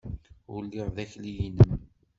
Ur lliɣ d akli-nnem!